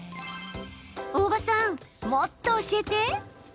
大場さん、もっと教えて！